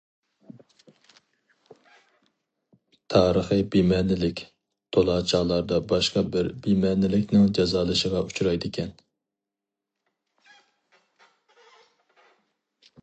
تارىخىي بىمەنىلىك تولا چاغلاردا باشقا بىر بىمەنىلىكنىڭ جازالىشىغا ئۇچرايدىكەن.